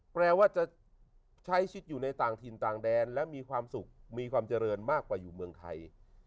แปลว่าจะใช้ชีวิตอยู่ในต่างถิ่นต่างแดนและมีความสุขมีความเจริญมากกว่าอยู่เมืองไทย